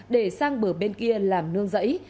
để sang bờ bên kia làm nương dãy